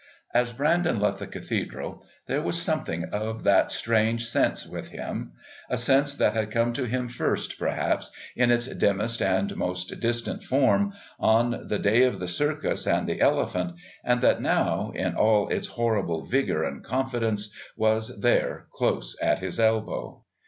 As Brandon left the Cathedral there was something of that strange sense with him, a sense that had come to him first, perhaps, in its dimmest and most distant form, on the day of the circus and the elephant, and that now, in all its horrible vigour and confidence, was there close at his elbow.